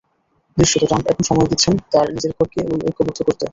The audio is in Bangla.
দৃশ্যত, ট্রাম্প এখন সময় দিচ্ছেন তাঁর নিজের ঘরকে ঐক্যবদ্ধ করতে।